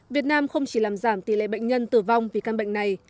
việt nam không chỉ làm giảm tỷ lệ bệnh nhân tử vong vì căn bệnh này